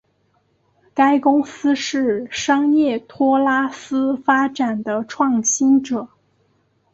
该公司是商业托拉斯发展的创新者。